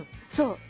そう。